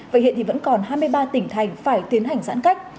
vậy hiện thì vẫn còn hai mươi ba tỉnh thành phải tiến hành giãn cách